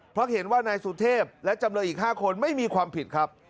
เพราะเห็นว่านายสุเทพและจำเลยอีก๕คนไม่มีความผิดครับ